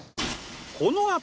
このあと。